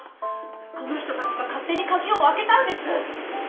この人たちが勝手に鍵を開けたんです！